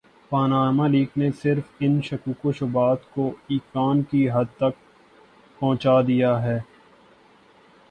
Panama leaks نے صرف ان شکوک وشبہات کو ایقان کی حد تک پہنچا دیا ہے۔